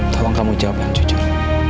tolong kamu jawab yang jujur